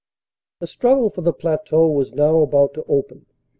The struggle for the plateau was now about to open.